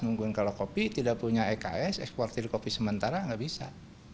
mungkin kalau kopi tidak punya eks eksportir kopi sementara nggak bisa